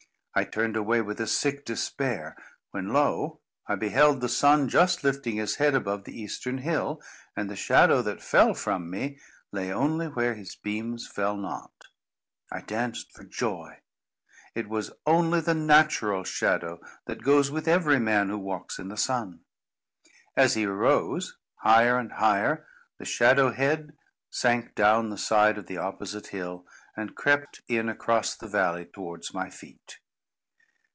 I turned away with a sick despair; when lo! I beheld the sun just lifting his head above the eastern hill, and the shadow that fell from me, lay only where his beams fell not. I danced for joy. It was only the natural shadow, that goes with every man who walks in the sun. As he arose, higher and higher, the shadow head sank down the side of the opposite hill, and crept in across the valley towards my feet.